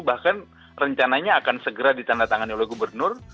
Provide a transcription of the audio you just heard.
bahkan rencananya akan segera ditandatangani oleh gubernur